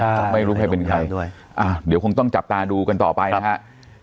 ไม่รู้ใครเป็นใครด้วยอ่าเดี๋ยวคงต้องจับตาดูกันต่อไปนะฮะ